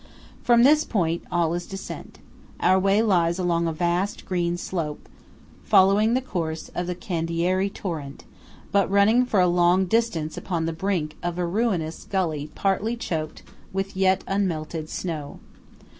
From this point, all is descent. Our way lies along a vast green slope, following the course of the Candiarei torrent, but running for a long distance upon the brink of a ruinous gully partly choked with yet unmelted snow.